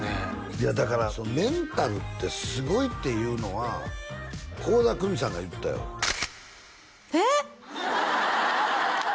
いやだからメンタルってすごいっていうのは倖田來未さんが言ってたよえっ！？